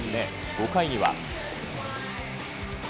５回には。